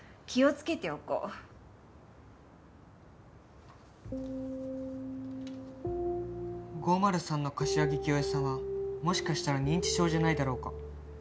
「気をつけておこう」「５０３の柏木清江さんはもしかしたら認知症じゃないだろうか？」